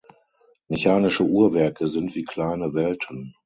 Mechanische Uhrwerke sind wie kleine Welten.